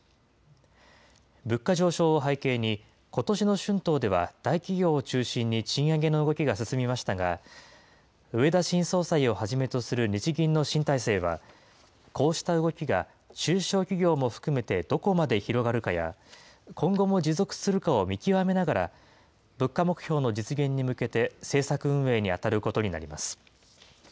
物価上昇を背景に、ことしの春闘では大企業を中心に賃上げの動きが進みましたが、植田新総裁をはじめとする日銀の新体制は、こうした動きが中小企業も含めてどこまで広がるかや、今後も持続するかを見極めながら、物価目標の実現に向けて政策運営に当たることになります。